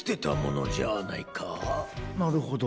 なるほど。